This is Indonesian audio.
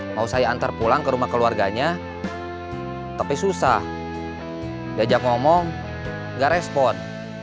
mau saya antar pulang ke rumah keluarganya tapi susah diajak ngomong nggak respon